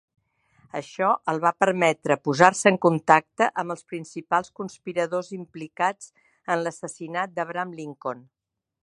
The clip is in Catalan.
Això el va permetre posar-se en contacte amb els principals conspiradors implicats en l'assassinat d'Abraham Lincoln.